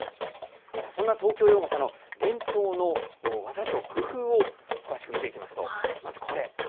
そんな東京洋傘の伝統の技と工夫を詳しく見ていきますと、まずこれ。